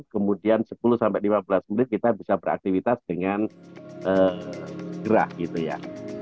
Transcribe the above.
kemudian sepuluh sampai lima belas menit kita bisa beraktivitas dengan gerah gitu ya